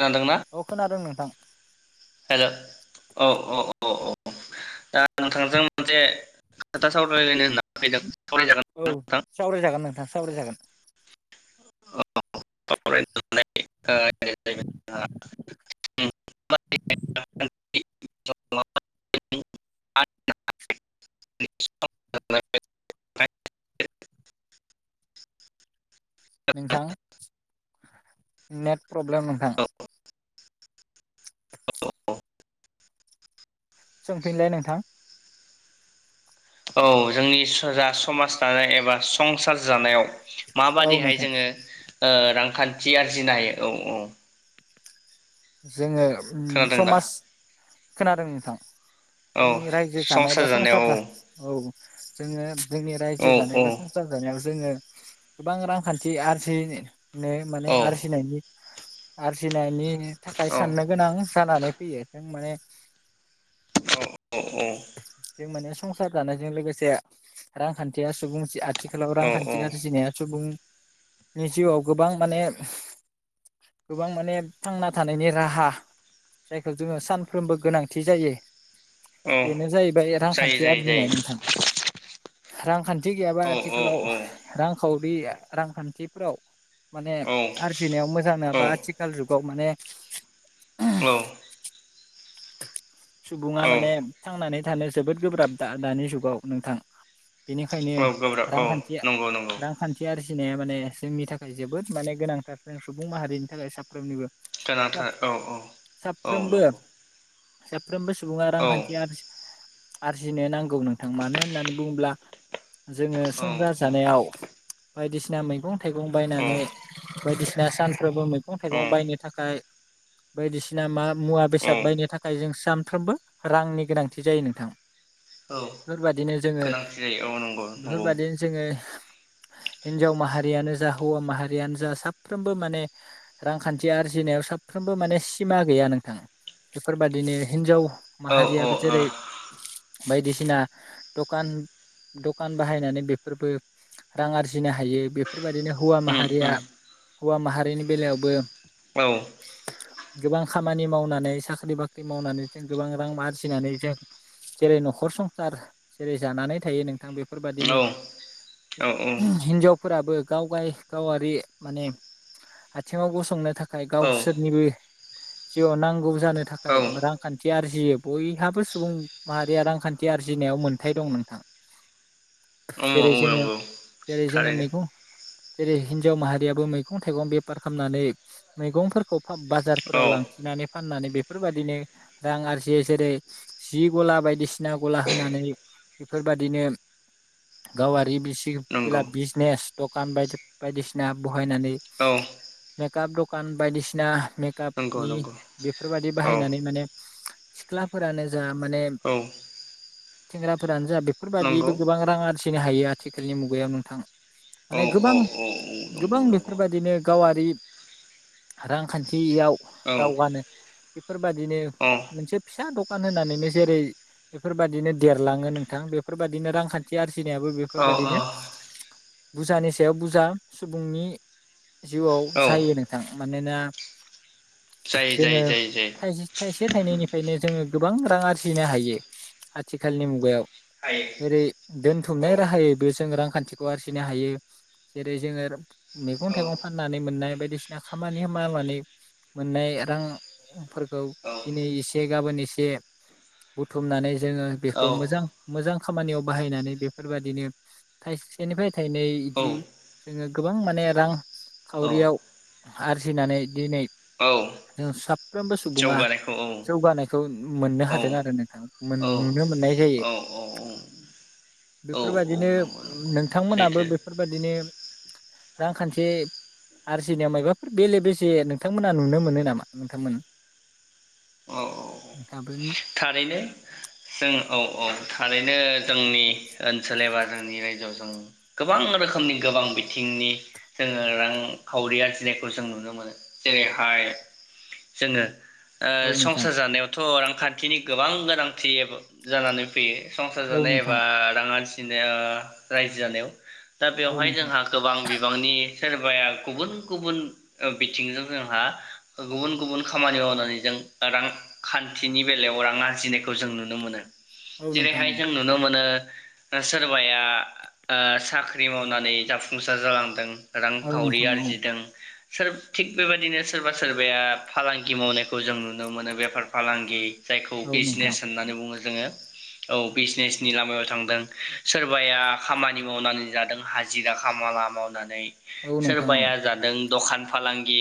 जादोंना औ खोनादों नोंथां हेल' औ औ औ। अ अ दा नोंथांजों मोनसे खोथा सावरायलायनो होना फैदों। सावरायजागोन औ ना नोंथां सावराय जागोन नोंथां सावरायजागोन। [unintelligible] [unintelligible] [unintelligible] [unintelligible] नोंथां नेट प्रब्लेम नोंथां। सोंफिनलाय नोंथां। औ जोंनि जा समाज दानाय एबा संसार जानायाव औ माबायदिहाय नोंथां जोङो ओ रां खान्थि आरजिनो हायो औ औ। जोङो उम खोनादों दा समाज खोनादों नोंथां। औ जोंनि रायजो जानाय बा संसार औ जोङो जोंनि रायजो औ जानाय बा संसार जानायाव जोङो गोबां रांखान्थि आरजिन ने माने औ आरजिनायनि आरजिनायनि। थाखाय औ साननो गोनां जानानै फैयो माने औ औ जों माने संसार जानायजों लोगोसे रांखान्थिया सुबुं- आथिखालाव औ रांखान्थि आरजिनाया सुबुं- नि जिउआव गोबां माने गोबां माने थांना थानायनि राहा जायखौ जोङो सानफ्रोमबो गोनांथि जायो औ बेनो जाहैबाय जायो रांखान्थि जायो जायो आरजिनाय नोंथां रांखान थि गैयाबा औ आथिखालाव औ रांखावरि रांखान्थिफोराव माने औ आरजिनायाव मोजां औ नोंआबा आथिखाल जुगाव माने औ सुबुङा औ माने थांनानै- थानो जोबोद गोब्राब दा दानि जुगाव नोंथां बेनिखायनो औ गोब्राब औ रांखान्थिया नंगौ नंगौ रांखान्थि आरो - थिनाया माने जोंनि थाखाय जोबोद माने गोनांथार जों सुबुं माहारिनि थाखाय साफ्रोमनिबो गोनांथार औ औ फ्रोमबो नंगौ साफ्रोमबो सुबुङा औ औ रांखान्थि आरजि आरजिनो नांगौ नोंथां मानो होननानै बुङोब्ला जोङो औ संसार जानायाव बायदिसिना मैगं थाइगं बायनानै बायदिसिना सानफ्रोमबो मैगं औ थाइगं बायनो थाखाय बायदिसिना मा मुवा औ बेसाद बायनो थाखाय जों सामफ्रामबो रांनि गोनांथि जायो नोंथां औ बेफोरबादिनो जोङो गोनांथि जायो औ नंगौ नंगौ औ बेफोरबादिनो जोङो हिनजाव माहारियानो जा हौवा माहारियानो जा साफ्रोमबो माने रांखान्थि आरजिनायाव साफ्रोमबो माने सिमा गैया नोंथां। बेफोरबादिनो हिन्जाव ओ माहारियाबो जेरै बायदिसिना दखान दखान बाहायनानै बेफोरबो रां आरजिनो हायो बेफो‌ रबादिनो हौवा उम माहारिया उम हौवा माहारिनि बेलायावबो औ गोबां खामानि मावनानै सा ख्रि बाख्रि मावनानै जों गोबां रां आरजिनानै जों जेरै नखर संसार जेरै जानानै थायो नोंथां बेफोरबादिनो औ हिनजावफोराबो गावगाय गावारि माने आथिङाव गसंनो थाखाय औ गावसोरनिबो जिउआव नांगौ जानो था खाय औ रांखान्थि आरजियो बयहाबो सुबुं माहारिया रांखान्थि आरजिनायाव मोनथाय दं नोंथां। औ जेरै जोङो नंगौ जेरै जोंओ थारैनो मेगं जेरै हिनजाव माहारियाबो मैगं थाइगं बेपार खामनानै मैगंफोरखौ औ बाजारफोराव लांथिंनानै फाननानै बे फोरबादिनो रां आरजियो। जेरै जि गला बायदिसिना गला होनानै बेफोरबादिनो गावारि बि सि नंगौ बेला बिजनेस दखान बाय-बायदिसिना ब हायनानैै औ मेकाप दखान बायदिसिना नंगौ मेकापनि नंगौ बेफोरबादि औ बाहायनानै माने सिख्लाफोरानो जा माने औ सेंग्राफोरानो जा बे नंगौ फोरबादियैबो गोबां रां आर जिनो हायो आथिखालनि मुगायाव नोंथां। औ माने गोबां औ गोबां नंगौ नंगौ औ बेफोरबायदिनो गावारि रांखान्थियाव दावगानो बेफोरबादिनो औ मोनसे फिसा द खान होनानैनो जेरै बेफोरबादिनो देरलाङो नोंथां बेफोरबादिनो रांखान्थि आर जिनायाबो औ बेफोरबादिनो बुजानि सायाव बुजा सुबुंनि जिउआव औ जायो नोंथां। मानोना जायो जायो जायो जायो। थाइ-थाइसे थाइनैनिफ्रायनो जोङो गोबां रां आरजिनो हायो आथिखालनि मुगायाव। हायो। जेरै औ दोनथुमनाय राहायैबो जों रांखान्थिखौ आरजिनो हायो। जेरै जोङो मेगं औ थाइगं फाननानै मोननाय बायदिसिना खामानि मावनानै मोननाय रां फोरखौ दिनै एसे गाबोन एसे बुथुमनानै जोङो बेखौ मोजां औ मोजां खामानियाव बाहायनानै बेफोरबादिनो थाइसेनिफ्राय थाइनै इदि जोङो गोबां माने औ रांखावरियाव आरजिनानै दिनै औ जों सा फ्रोमबो सुबुङा जौगानायखौ औ जौगानायखौ मोननो औ हादों आरो नोंथां। औ नुनो मोननाय जायो औ औ बेफोरबादिनो नंगौ नंगौ नोंथांमोनाबो सैथो बेफोरबादिनो रांखान्थि आरजिनायाव मायबाफोर बेले-बेजे नोंथांमोना नुनो मोनो नामा नोंथांमोन? औ औ औ थाब्रोन [unintelligible] थारैनो जों औ -औ थारैनो जोंनि ओनसोल एबा जोंनि रायजोआव जों गोबां रोखोमनि गोबां बिथिंनि जोङो रांखावरि आरजिनायखौ जों नुनो मोनो। जेरैहाय जोङो औ ओ नोंथां संसार जानायावथ रां खान्थिनि गोबां गोनांथि जानानै फैयो। संसार औ जानाय नोंथां एबा रां आरजि औ रायजो जानायाव दा बेवहाय जोंहा गोबां बि बिबांनि सोरबाया गुबुन-गुबुन ओ बिथिंजों जोंहा गुबुन-गुबुन खामानि मावनानै जों रांखान्थिनि बेलायाव रां आरजिनायखौ जों नुनो मोनो। औ नोंथां जेरैहाय औ जों नुनो मोनो ओ सोरबाया साख्रि मावनानै जाफुंसार जालांदों। रांखावरि नोंथां औ आरजिदों। सोरबा थिग बेबायदिनो सोरबा सोरबाया फालांगि मावनायखौ जों नुनो मोनो बेफार फालांगि जायखौ औ नोंथां बिजनेस होननानै बुङो जोङो। औ बिजनेसनि लामायाव थांदों सोरबाया खामानि मावनानै जादों हाजिरा खामला मावनानै औ सोरबाया जादों दखान फालांगि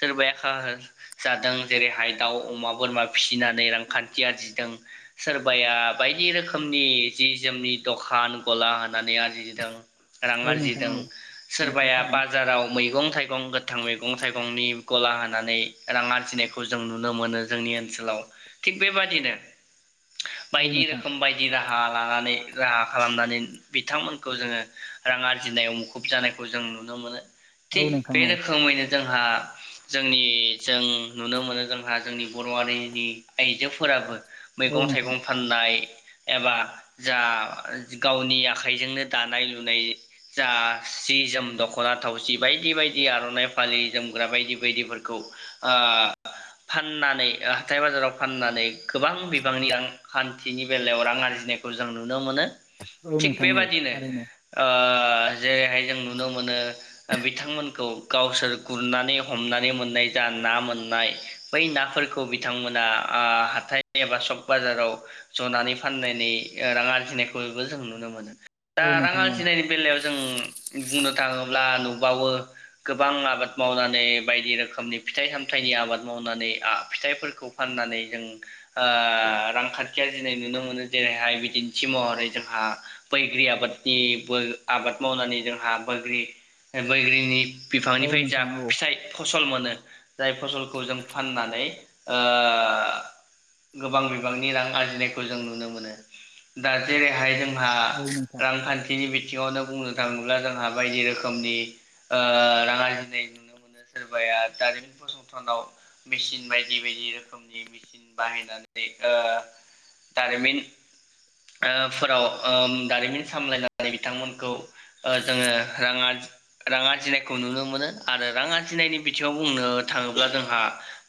सोरबाया जादों जेरैहाय दाउ अमा बोरमा फिसिनानै रां खान्थि आरजिदों सोरबाया बायदि रोखोमनि जि जोमनि दखान गला होनानै आरजिदों। रां नोंथां औ नोंथां औ आरजिदों सोरबाया बाजाराव मैगं थाइगं गो गोथां मैगं थाइगंनि गला होनानै रां आरजिनायखौ जों नुनो मोनो जोंनि ओनसोलाव। थिग बेबादिनो बायदि रोखोम बायदि राहा राहा लानानै राहा खालामनानै बिथांमोनखौ जोङो रां आरजिनायाव मुखुब जानायखौ जों नुनो मोनो। थिग बे रोखोमैनो जोंहा, जोंनि जों नुनो मोनो जोंहा जोंनि बर' हारिनि आइजोफोराबो औ मैगं नोंथां थाइगं फाननाय एबा जा गावनि आखाइजोंनो दानाय- लुनाय जा जि जोम दख'ना थावसि बायदि बायदि आर'नाइ फालि जोमग्रा बायदि बायदिफोरखौ ओ फाननानै हाथाय बाजाराव फाननानै गोबां बिबांनि रांखान्थिनि बेलायाव रां आरजिनायखौ जों नुनो मोनो। नुनो मोनो औ थिग नोंथां बेबादिनो थारैनो ओ ओ जेरैहाय जों नुनो मोनो। ओ बिथांमोनखौ गावसोर गुरनानै हमनानै मोननाय जा ना मोननाय बै नाफोरखौ बिथांमोना ओ हाथाय एबा सक बाजाराव जनानै फाननानै रां आरजिनायखौबो जों नुनो मोनो। औ दा नोंथां औ नोंथां औ नोंथां औ नोंथां औ थारैनो औ रां नोंथां औ आरान्जिनायनि बेलायाव जों बुंनो थाङोब्ला नुबावो गोबां आबाद मावनानै बायदि रोखोमनि फिथाइ सामथाइनि आबाद मावनानै ओ फिथाइफोरखौ फाननानै जों ओ रांखान्थिआरजिनाय नुनो मोनो जेरैहाय बिदिन्थि महरै जोंहा बैग्रि आबादनि आबाद मावनानै जोंहा बैग्रि बैग्रिनि औ बिफांनिफ्राय जा नोंथां औ फिथाइ फसल मोनो जाय फसलखौ जों फाननानै ओ गोबां बिबांनि रां आरजिनायखौ जों नुनो मोनो दा जेरैहाय जों जोंहा औ नोंथां रांखान्थिनि बिथिंङावनो बुंनो थाङोब्ला जोंहा बायदि रोखोमनि ओ रां आरजिनाय नुनो मोनो सोरबाया दारिमिन फसंथानाव मेसिन बायदि बायदि रोखोमनि मेसिन बाहायनानै ओ दारिमिन फोराव दारिमिन सामलायनानै बिथांमोनखौ ओ जोङो रां आरजि रां आरजिनायखौ नुनो मोनो आरो रां आरजिनायनि बिथिाव बुंनो थाङोब्ला जोंहा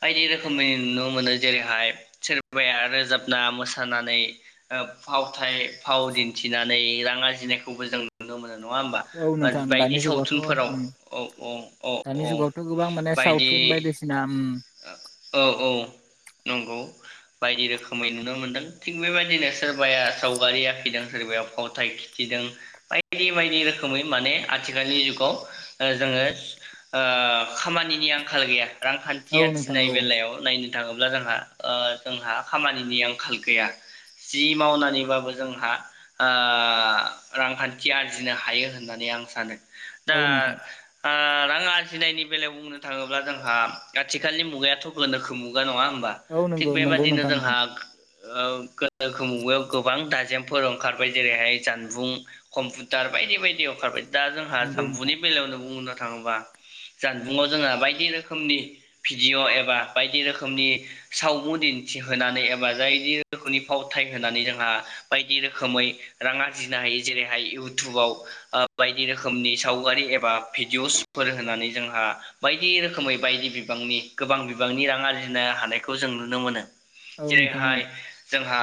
बायदि रोखोमैनि नुनो मोनो जेरैहाय सोरबाया रोजाबना मोसानानै फावथाय फाव दिन्थिनानै रां आरजिनायखौबो जों नुनो मोनो। नङा होमबा औ-औ नोंथां बायदि दानि जुगावथ' सावथुनफोराव ओम औ औ औ दानि औ जुगावथ' गोबां माने सावथुन बायदिसिना ओम। औ-औ नंगौ बायदि रोखोमै नुनो मोनदों थिग बेबायदिनो सोरबाया सावगारि आखिदों सोरबाया फावथाय खिथिदों बायदि बायदि रोखोमै माने आथिखालनि जुगाव ओ-जोङो ओ-खामानिनि आंखाल गैया रां। औ थिया नोंथां थिनाय औ बेलायाव नायनो। बुंनो थाङोब्ला ओ-जोंहा जोंहा खामानिनि आंखाल गैया जि मावनानैबाबो जोंहा ओ- रांखान्थि आरजिनो हायो होननानै आं सानो। औ दा नोंथां आ- रां आरजिनायनि बेलायाव बुंनो थाङोब्ला जोंहा। आथिखालनि मुगायाथ' गोनोखो मुगा नङा होम बा औ थिग नंगौ नंगौ बेबादिनो नोंथां नंगौ जोंहा। ओ-गोनोखो मुगायाव गोबां दाजेमफोर ओंखारबाय जेरैहाय जानबुं कम्पिउटार बायदि-बायदि ओंखारबाय। दा जोंहा नोंथां जाम्बुनि बेलायावनो दं मुं थाङोबा जानबुंआव जोंहा बायदि रोखोमनि। भिदिअ' एबा बायदि रोखोमनि सावमु दिन्थिहोनानै एबा जायदि रोखोमनि फावथाय होनानै जोंहा बायदि रोखोमै राङ आरजिनो हायो जेरैहाय इउटुबाव बायदि रोखोमनि सावगारि एबा भिडिअ'सफोर होनानै जोंहा बायदि रोखोमै बायदि। बिबांनि गोबां बिबांनि रां आरजिनो हानायखौ जों नुनो मोनो। औ नोंथां औ जेरैहाय जोंहा।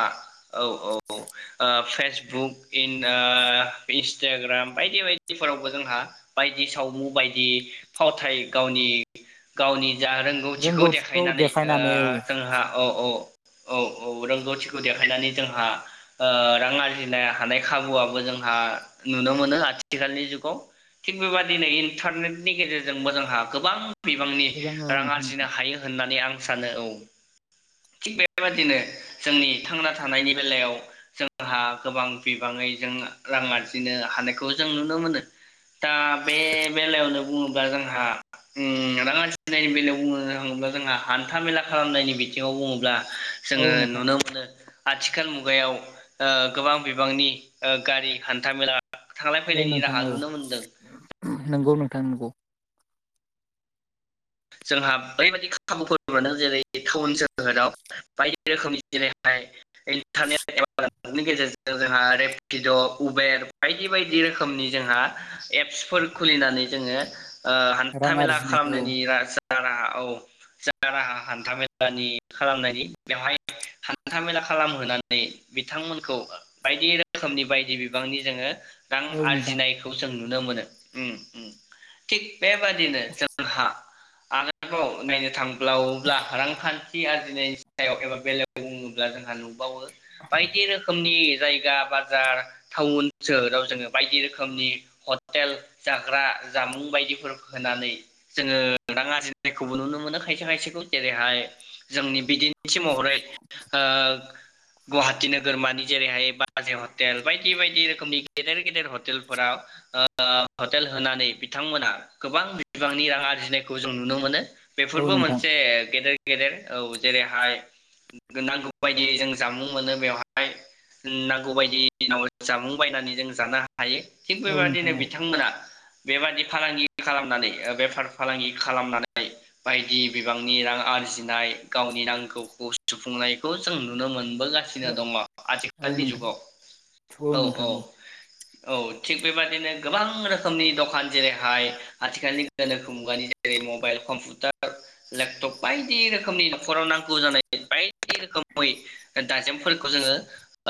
औ-औ-औ- [unintelligible] फेसबुक इन-ओ- इन्सटाग्राम बायदि बायदिफोरावबो जोंहा बायदि सावमु बायदि फावथाय गावनि गावनि। जा रोंगौथिखौ देखायनानै ओ- जोंहा अ अ। औ-औ रोंगौथिखौ देखायनानै ओ-जोंहा रां आरजिनो हानाय खाबुआबो जोंहा नुनो मोनो आथिखालनि जुगाव थिग बेबादिनो इन्टारनेटनि गेजेरजोंबो जोंहा गोबां। बिबांनि। गोबां औ रां आरजिनो नोंथां हायो होननानै आं। सानो औ थिग बेबादिनो जोंनि थांना थानायनि बेलायाव जोंहा गोबां बिबाङै जों रां आरजिनो हानायखौ जों नुनो मोनो दा बे बेलायावनो बुङोब्ला जोंहा ओम रां आरजि। नि बेलायाव बुंनो थाङोब्ला जोंहा हान्था मेला खालामनायनि बिथिङाव बुङोब्ला। औ जोङो नोंथां नुनो मोनो आथिखाल मुगायाव ओ गोबां बिबांनि ओ गारि हान्थामेला औ नोंथां औ नंगौ नों थां नंगौ। जोंहा ओरैबायदि खाबुफोर मोनदों जेरै टाउन सोहोराव बायदि रोखोमनि जेरैहाय इन्टारनेटनि गेजेरजों जोंहा रेपिड' उबेर बायदि बायदि रोखोमनि जोंहा एप्सफोर खुलिनानै जोङो ओ रां हान्था मेला आरजिनायखौ खालामनायनि राह जा राहा औ जा राहा हान्थामेलानि खालामनायनि बेवहाय हान्थामेला खालामहोनानै बिथांमोनखौ बायदि रोखोमनि बायदि बिबांनि जोङो रां औ नोंथां आरजिनायखौ जों नुनो मोनो ओ ओम थिग बेबादिनो जोंहा आरोबाव नायनो थां ब्लावब्ला रांखान थि आरजिनायनि सायाव एबा बेलगायाव बुङोब्ला जोंहा नुबावो। बायदि रोखोमनि जायगा बाजार टाउन सोहोराव जोङो बायदि रोखोमनि हटेल जाग्रा जामुं बायदिफोर होनानै जोङो रां आरजिनायखौबो नुनो मोनो खायसे खायसेखौ जेरैहाय जोंनि बिदिन थि महरै ओ गुवाहाटि नोगोरमानि जेरैहाय बाजै हटेल बायदि बायदि रोखोमनि गेदेर गेदेर हटेलफोराव ओ हटेल होनानै बिथांमोना गोबां बिबांनि रां आरजिनाय खौ जों नुनो मोनो। औ बेफोरबो नोंथां मोनसे गेदेर गेदेर औ जेरैहाय नांगौ बायदि जों जामुं मोनो बेवहाय नांगौ बायदिवै जामुं बायनानै जों जानो हायो थिग औ नोंथां बेबायादिनो औ बिथांमोना बेबादि फालांगि खालामनानै बेफार फालांगि खालामनानै बायदि बिबांनि रां आरजिनाय गावनि नांगौखौ सुफुंनायखौ जों नुनो मोन बोगासिनो दङ औ आथिखालनि नोंथां जुगाव औ औ। औ थिग बेबादिनो गोबां रोखोमनि दखान जेरैहाय आथिखालनि गोनोखो मुगानि जेरै मबाइल कम्पिउटार लेपटप बायदि रोखोमनि नखराव नांगौ जानाय बायदि रोखोमै दाजेमफोरखौ जोङो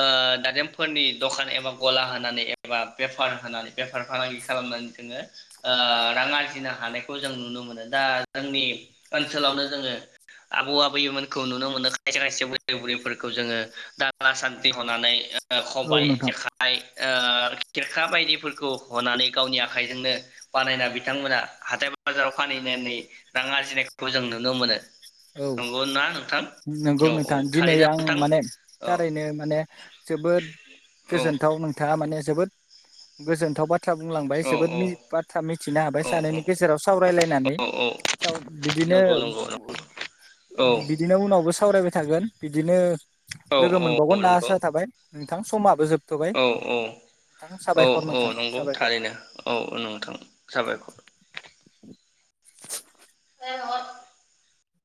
ओ दाजेमफोरनि दखान एबा गला होनानै एबा बेफार होनानै बेफार फालांगि खालामनानै जोङो ओ रां आरजिनो हानायखौ जों नुनो मोनो दा जोंनि ओनसोलावनो जोङो आबौ आबैमोनखौ नुनो मोनो खायसे खायसे बुरै बुरैफोरखौ जोङो दाला सानथि हनानै औ खबाय नोंथां जेखाइ ओ खेरखा बायदिफोरखौ हनानै गावनि आखाइजोंनो बानायना बिथांमोना हाथाय बाजाराव फानहैनानै रां आरजिनायखौ जों नुनो मोनो। औ नंगौ ना नोंथां नंगौ औ औ नोंथां दिनै थारैनो आं नोंथां माने औ थारैनो माने जोबोद औ गोजोनथाव नोंथाङा माने जोबोद गोजोनथाव बा थ्रा बुंलांबाय औ जोबोद औ बाथ्रा मिथिनो हाबाय औ सानैनि गेजेराव सावरायलायनानै औ औ बिदिनो नंगौ नंगौ औ बिदिनो उनावबो सावरायबाय थागोन। बिदिनो औ लोगो औ मोनबावगोन होनना नंगौ आसा थाबाय। बिथां समाबो जोब औ औ औ औ नोंथां नंगौ साबायखर। थारैनो औ औ नोंथां साबायखर। [unintelligible]